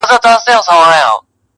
فاصله مو ده له مځکي تر تر اسمانه؛